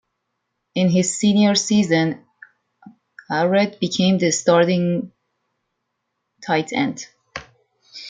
In his senior season, Allred became the starting tight end.